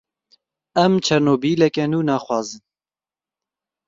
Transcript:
Em Çernobîleke nû naxwazin.